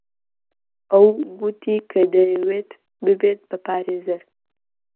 ئەو گوتی کە دەیەوێت ببێت بە پارێزەر.